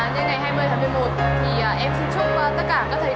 nên ngày hai mươi tháng một mươi một thì em xin chúc tất cả các thầy cô